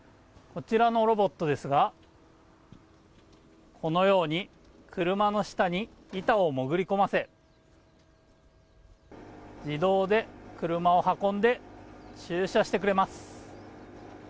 こちらのロボットですがこのように車の下に板を潜り込ませ自動で車を運んで駐車してくれます。